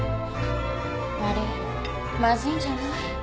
あれまずいんじゃない？